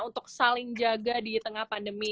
untuk saling jaga di tengah pandemi